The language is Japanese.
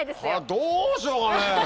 どうしようかねぇ！